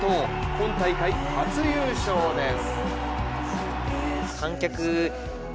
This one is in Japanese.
今大会初優勝です。